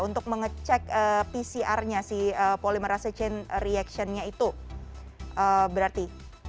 untuk mengecek pcr nya si polymerase chain reactionnya itu berarti